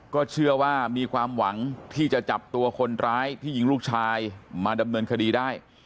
ก็เชื่อว่ามีความหวังที่จะจับตัวคนร้ายที่ยิงลูกชายมาดำเนินคดีได้